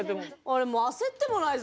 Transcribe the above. あれもう焦ってもないぞ。